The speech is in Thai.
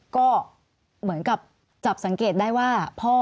ก็เหมือนกับจับสังเกตได้ว่าพ่อ